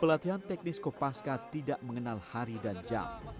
pelatihan teknis kopaska tidak mengenal hari dan jam